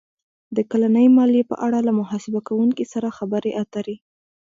-د کلنۍ مالیې په اړه له محاسبه کوونکي سره خبرې اتر ې